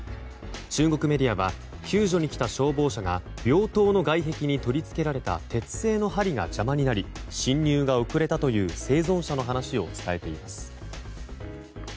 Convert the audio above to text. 中国メディアは救助に来た消防車が病棟の外壁に取り付けられた鉄製のはりが邪魔になり進入が遅れたという生存者の話を伝えています。